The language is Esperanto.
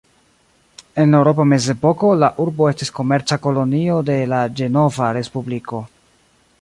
En la eŭropa mezepoko, la urbo estis komerca kolonio de la Ĝenova Respubliko.